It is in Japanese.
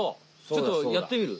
ちょっとやってみる？